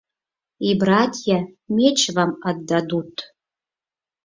И братья меч вам отдадут.